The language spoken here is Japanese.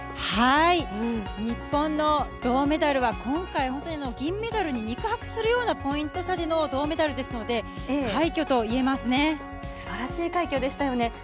日本の銅メダルは今回、本当に銀メダルに肉薄するようなポイント差での銅メダルですので、すばらしい快挙でしたよね。